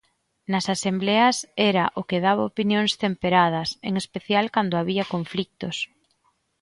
Nas asembleas era o que daba opinións temperadas, en especial cando había conflitos.